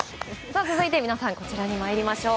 続いてこちらに参りましょう。